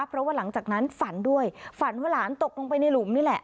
เพราะว่าหลังจากนั้นฝันด้วยฝันว่าหลานตกลงไปในหลุมนี่แหละ